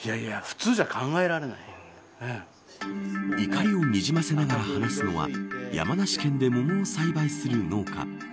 怒りをにじませながら話すのは山梨県で桃を栽培する農家。